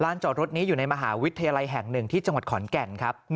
จอดรถนี้อยู่ในมหาวิทยาลัยแห่ง๑ที่จังหวัดขอนแก่นครับ